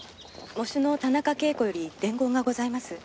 喪主の田中啓子より伝言がございます。